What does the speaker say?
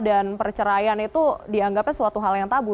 dan perceraian itu dianggapnya sesuatu hal yang tabu